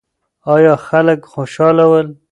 ایا خلک خوشاله ول؟